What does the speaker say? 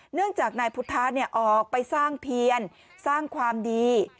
เนื่องจากนายพุทธะออกไปสร้างเพียรสร้างความดี